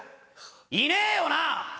いねえよなぁ